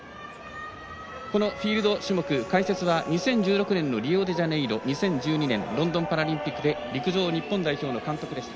フィールド種目解説は２０１６年リオデジャネイロ、２０１２年ロンドンパラリンピックで陸上日本代表の監督でした。